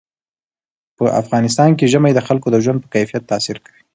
په افغانستان کې ژمی د خلکو د ژوند په کیفیت تاثیر کوي.